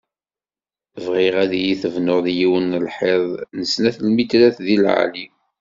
Bɣiɣ ad iyi-tebnuḍ yiwen n lḥiḍ n snat lmitrat di leɛli.